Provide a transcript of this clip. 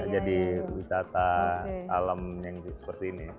jadi wisata alam yang seperti ini